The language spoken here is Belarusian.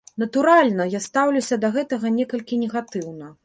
Натуральна, я стаўлюся да гэтага некалькі негатыўна.